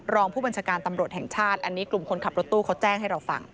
รองผู้บัญชาการตำรวจแห่งชาติอันนี้กลุ่มคนขับรถตู้เขาแจ้งให้เราฟัง